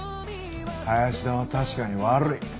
林田は確かに悪い。